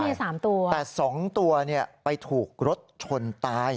มีสามตัวแต่สองตัวเนี่ยไปถูกรถชนตาย